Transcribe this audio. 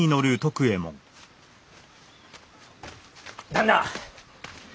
旦那！